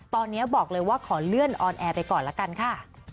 ตอนนี้บอกเลยว่าขอเลื่อนออนแอร์ไปก่อนละกันค่ะ